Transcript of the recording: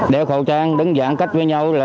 đeo khẩu trang đứng dạng cách với nhau